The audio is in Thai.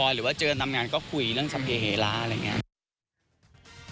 หรือว่าเจอนำงานก็คุยเรื่องสัมเยระอะไรอย่างนี้